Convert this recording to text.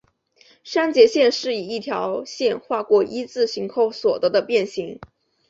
删节线是以一条线划过一字形后所得的变型。